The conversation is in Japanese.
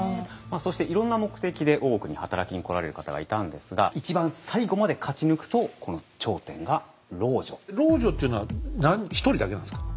そしていろんな目的で大奥に働きに来られる方がいたんですが一番最後まで勝ち抜くとこの頂点が老女。